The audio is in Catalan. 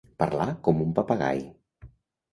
Parlar com un papagai.